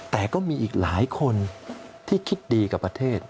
แต่ก็มีอีกหลายคนที่คิดดีกับประเทศ